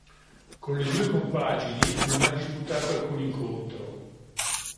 Con le due compagini non ha disputato alcun incontro.